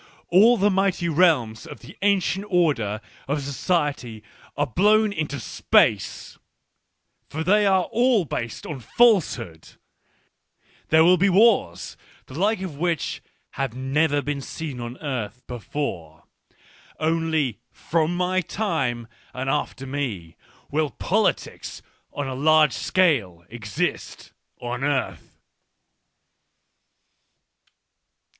All the mighty realms of the ancient order of society are blown into space — for they are all based on falsehood : there will be wars, the like of which have never been seen on earth before. Only from my time and after me will politics on a large scale exist on earth.